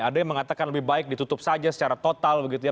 ada yang mengatakan lebih baik ditutup saja secara total begitu ya